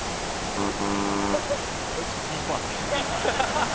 こいつホンマ。